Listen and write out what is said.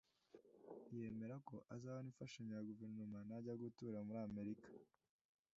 yemera ko azabona imfashanyo ya guverinoma najya gutura muri amerika .